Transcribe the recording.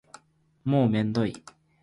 もうめんどい